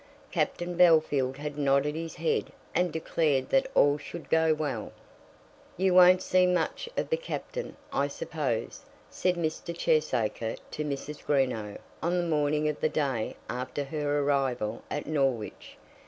Captain Bellfield had nodded his head and declared that all should go well. "You won't see much of the Captain, I suppose," said Mr. Cheesacre to Mrs. Greenow on the morning of the day after her arrival at Norwich.